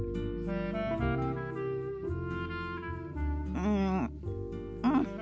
うんうん。